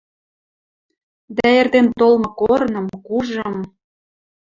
Дӓ эртен толмы корным, кужым